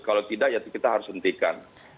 kalau tidak ya kita harus hentikan